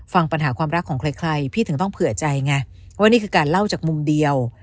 ฟังปัญหาความรักของใครพี่ถึงต้องเผื่อใจไงว่านี่คือการเล่าจากมุมเดียว